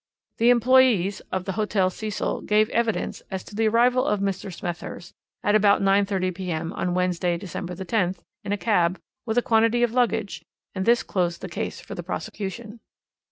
The employés of the Hotel Cecil gave evidence as to the arrival of Mr. Smethurst at about 9.30 p.m. on Wednesday, December the 10th, in a cab, with a quantity of luggage; and this closed the case for the prosecution.